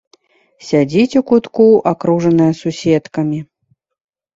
Сядзіць у кутку, акружаная суседкамі.